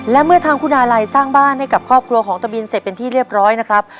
และเมื่อทางคุณอาลัยสร้างบ้านให้กับครอบครัวของตะบินเสร็จเป็นที่เรียบร้อยนะครับ